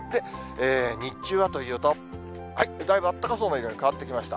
日中はというと、だいぶあったかそうな色に変わってきました。